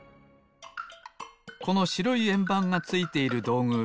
このしろいえんばんがついているどうぐ